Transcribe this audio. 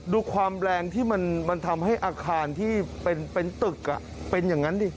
ดูความแรงที่มันทำให้อาคารที่เป็นตึกเป็นอย่างนั้นดิ